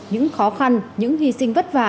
những khó khăn những hy sinh vất vả